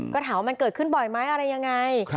ก็ถามว่ามันเกิดขึ้นบ่อยไหมอะไรยังไง